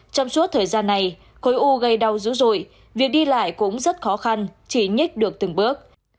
trong suốt thời gian này khối u gây đau dữ dội việc đi lại cũng rất khó khăn chỉ nhích được từng bước